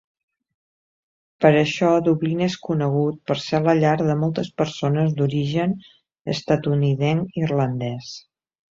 Per això, Dublín és conegut per ser la llar de moltes persones d'origen estatunidenc-irlandès.